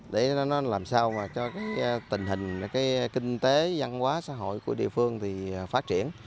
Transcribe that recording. để nó làm sao mà cho cái tình hình cái kinh tế văn hóa xã hội của địa phương thì phát triển